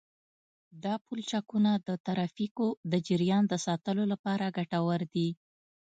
دا پلچکونه د ترافیکو د جریان د ساتلو لپاره ګټور دي